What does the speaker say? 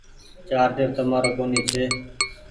چآرجر تمآرو ڪونيٚ چي۔